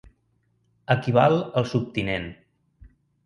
Equival al Subtinent.